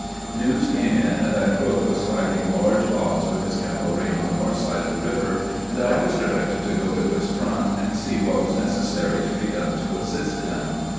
News came in that Crook was fighting large odds with his cavalry on the north side of the river, and I was directed to go to his front and see what was necessary to be done to assist him.